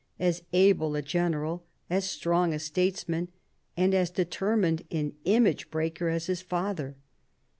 as able a general, as strong a statesman, and as determined an image breaker as his father.